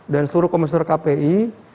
dan seluruh komisor kpi